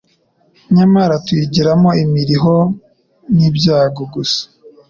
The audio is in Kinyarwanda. nyamara tuyigiramo imiruho n’ibyago gusa